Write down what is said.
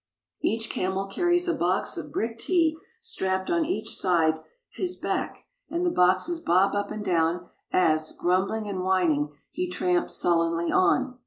Each camel carries a box of brick tea strapped on each side his back, and the boxes bob up and down as, grumbling and whining, he tramps sullenly on.